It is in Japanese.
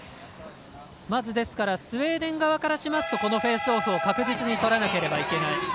まずスウェーデン側からしますとこのフェイスオフを確実に取らなければいけない。